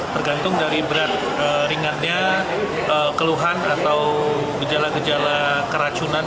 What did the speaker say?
tergantung dari berat ringannya keluhan atau gejala gejala keracunan